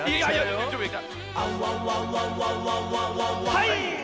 はい！